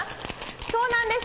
そうなんです。